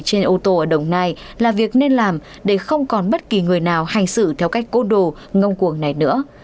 trên ô tô ở đồng nai là việc nên làm để không còn bất kỳ người nào hành xử theo cách côn đồ ngông cuồng này nữa